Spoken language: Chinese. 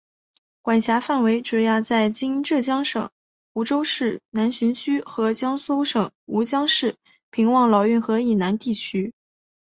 管辖范围主要在今浙江省湖州市南浔区和江苏省吴江市平望老运河以南地区。